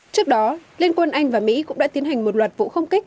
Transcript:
trước đó liên quân anh và mỹ cũng đã tiến hành một loạt vụ không kích